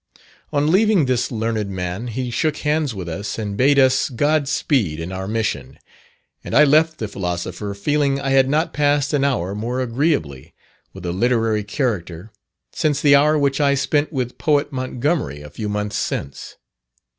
On leaving this learned man, he shook hands with us, and bade us "God speed" in our mission; and I left the philosopher, feeling I had not passed an hour more agreeably, with a literary character, since the hour which I spent with Poet Montgomery a few months since.